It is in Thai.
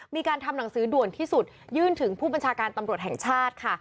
มีการทำหนังสือด่วนที่สุดยื่นถึงผู้บัญชาการตำรวจแห่งชาติค่ะ